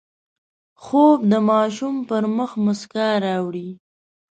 خوب د ماشوم پر مخ مسکا راوړي